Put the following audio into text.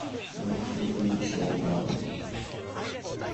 なんで文章ないん？